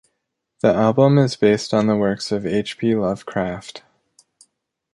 The album is based on the works of H. P. Lovecraft.